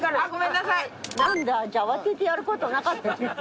なんだじゃあ慌ててやることなかった。